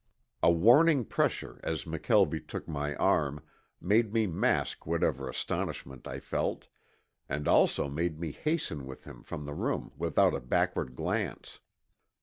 A warning pressure as McKelvie took my arm made me mask whatever astonishment I felt, and also made me hasten with him from the room without a backward glance.